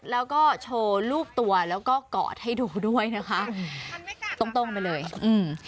แล้วก็โชว์รูปตัวแล้วก็กอดให้ดูด้วยนะคะอืมตรงตรงไปเลยอืม